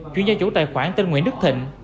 chuyển cho chủ tài khoản tên nguyễn đức thịnh